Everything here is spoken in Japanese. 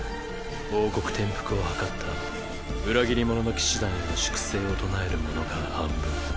王国転覆を謀った裏切り者の騎士団への粛清を唱える者が半分。